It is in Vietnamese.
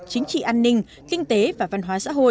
chính trị an ninh kinh tế và văn hóa xã hội